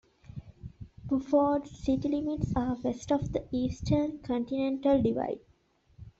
Buford's city limits are west of the Eastern Continental Divide.